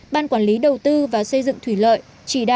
ban quản lý đầu tư và xây dựng thủy lợi